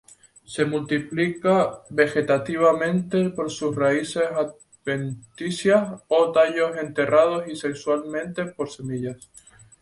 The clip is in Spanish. Se multiplica vegetativamente, por sus raíces adventicias o tallos enterrados, y sexualmente, por semillas.